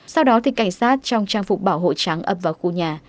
sau đó thì cảnh sát trong trang phục bảo hộ trắng ập vào khu nhà